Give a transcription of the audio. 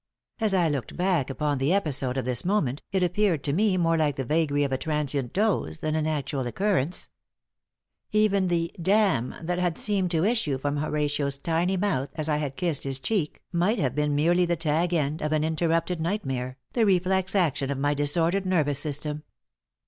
As I looked back upon the episode at this moment, it appeared to me more like the vagary of a transient doze than an actual occurrence. Even the "Damn!" that had seemed to issue from Horatio's tiny mouth as I had kissed his cheek might have been merely the tag end of an interrupted nightmare, the reflex action of my disordered nervous system.